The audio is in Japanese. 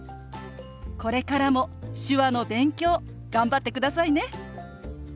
これからも手話の勉強頑張ってくださいね。